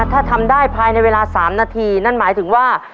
ถ้าทำได้ภายในเวลา๓นาทีนั่นหมายถึงว่า